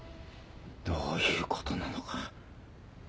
どういうことなのか。